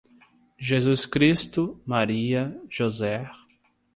Jesus Cristo, Maria, José